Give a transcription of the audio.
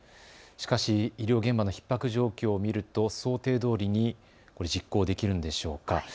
しかし医療現場のひっ迫状況を見ると想定どおりに実行できるんでしょうか。